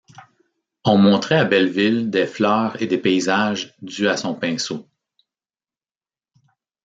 On montrait à Belleville des fleurs et des paysages dus à son pinceau.